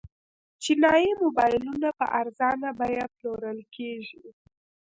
چینايي موبایلونه په ارزانه بیه پلورل کیږي.